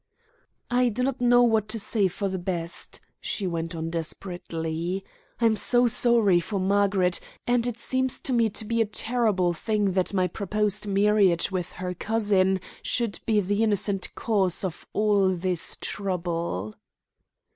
"I do not know what to say for the best," she went on desperately. "I am so sorry for Margaret, and it seems to me to be a terrible thing that my proposed marriage with her cousin should be the innocent cause of all this trouble."